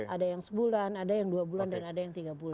ada yang sebulan ada yang dua bulan dan ada yang tiga bulan